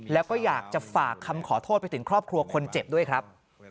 แล้วก็อยากจะฝากคำขอโทษไปถึงครอบครัวคนเจ็บด้วยครับ